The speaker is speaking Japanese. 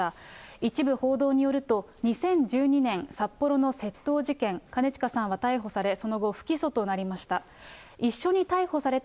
一部報道によると、２０１２年、札幌の窃盗事件、兼近さんは逮捕され、その後、不起訴となりました。